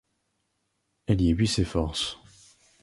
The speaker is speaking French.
Elle y épuise ses forces.